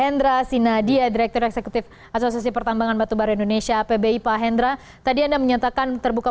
ini rasanya terseluruh ataupun asok teman anda